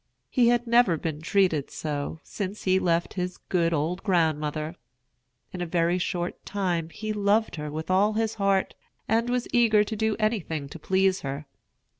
He had never been treated so since he left his good old grandmother. In a very short time he loved her with all his heart, and was eager to do anything to please her.